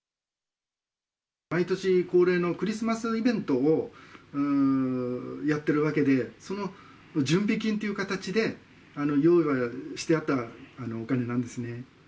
毎年恒例のクリスマスイベントをやってるわけで、その準備金という形で、用意をしてあったお金なんですね。